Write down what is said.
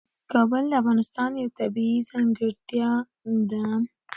کابل د افغانستان یوه طبیعي ځانګړتیا ده.